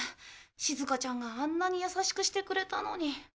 しずかちゃんがあんなに優しくしてくれたのに。